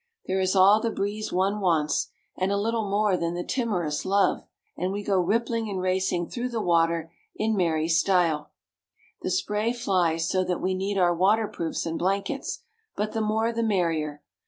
There is all the breeze one wants, and a little more than the timorous love; and we go rippling and racing through the water in merry style. The spray flies, so that we need our water proofs and blankets; but the more the merrier.